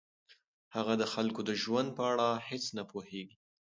هغه د خلکو د ژوند په اړه هیڅ نه پوهیږي.